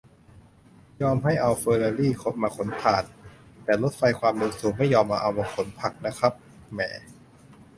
"ยอมให้เอาเฟอร์รารี่มาขนถ่าน แต่รถไฟความเร็วสูงไม่ยอมเอามาขนผักนะครับ แหม่"